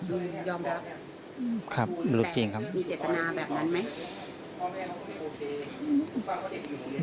ครับหลุดจริงครับ